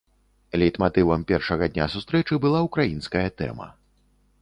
Лейтматывам першага дня сустрэчы была ўкраінская тэма.